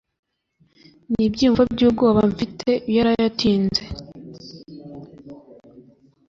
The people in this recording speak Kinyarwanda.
nibyiyumvo byubwoba mfite iyo araye atinze